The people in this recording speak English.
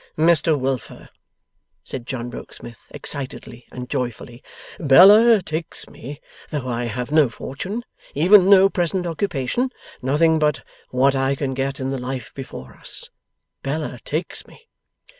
'Mr Wilfer,' said John Rokesmith, excitedly and joyfully, 'Bella takes me, though I have no fortune, even no present occupation; nothing but what I can get in the life before us. Bella takes me!